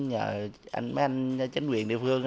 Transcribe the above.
nhờ mấy anh chính quyền địa phương